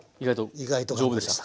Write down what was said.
意外と丈夫でした？